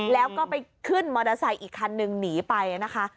แล้วก็ไปขึ้นมอเตอร์ไซค์อีกคันนึงหนีไปนะคะ